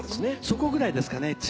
そこぐらいですかね